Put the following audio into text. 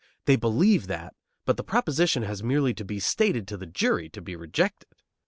They believe that, but the proposition has merely to be stated to the jury to be rejected.